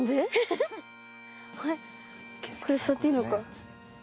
これ座っていいのか。